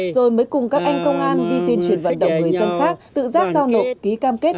rồi mới cùng các anh công an đi tuyên truyền vận động người dân khác tự giác giao nộp ký cam kết